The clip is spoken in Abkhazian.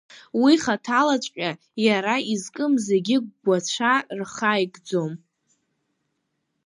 Уи хаҭалаҵәҟьа иара изкым зегьы гәацәа рхаикӡом.